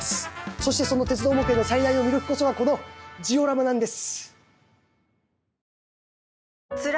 そしてその鉄道模型の最大の魅力こそがこのジオラマなんです！